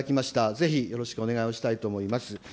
ぜひよろしくお願いをしたいと思います。